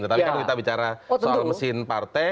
tetapi kan kita bicara soal mesin partai